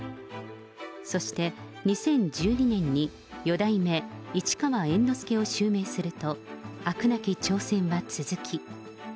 そして２０１２年に四代目市川猿之助を襲名すると、あくなき挑戦は続き。